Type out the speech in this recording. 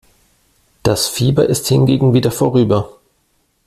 Das Fieber ist hingegen wieder vorüber.